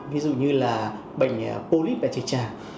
ví dụ như là bệnh polyp đại trực tràng